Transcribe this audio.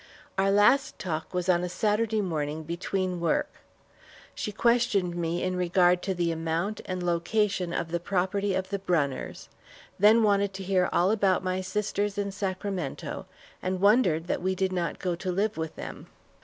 Our last talk was on Saturday morning between work. She questioned me in regard to the amount, and location of the property of the Brunners, then wanted to hear all about my sisters in Sacramento, and wondered that we did not go to live with them.